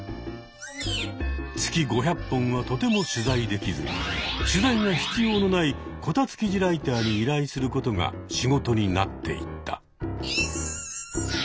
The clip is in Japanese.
月５００本はとても取材できず取材が必要のないこたつ記事ライターに依頼することが仕事になっていった。